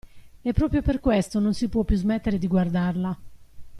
E proprio per questo non si può più smettere di guardarla.